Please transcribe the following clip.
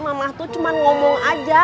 mamah tuh cuma ngomong aja